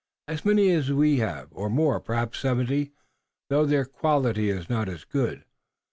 "As many as we have, or more, perhaps seventy, though their quality is not as good.